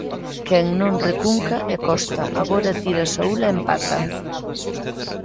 Quen non recunca é Costa, agora tira Saúl e empata.